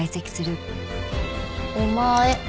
「お前」